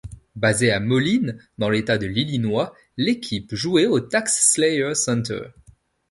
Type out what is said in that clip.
Basée à Moline dans l'État de l'Illinois, l'équipe jouait au TaxSlayer Center.